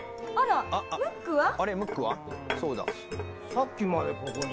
さっきまでここに。